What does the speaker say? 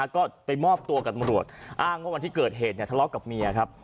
ก็ไปมอบตัวกับตำรวจอ้างว่าวันที่เกิดเหตุทะเลาะกับเมียครับ